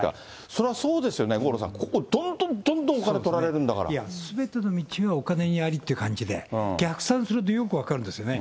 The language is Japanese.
それはそうですよね、五郎さん、ここ、どんどんどんどんお金取らすべての道はお金にありっていう感じで、逆算するとよく分かるんですよね。